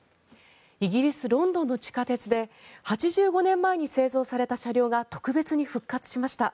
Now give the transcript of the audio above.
イギリス・ロンドンの地下鉄で８５年前に製造された車両が特別に復活しました。